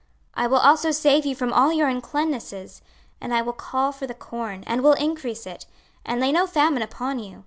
26:036:029 I will also save you from all your uncleannesses: and I will call for the corn, and will increase it, and lay no famine upon you.